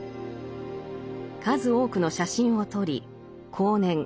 数多くの写真を撮り後年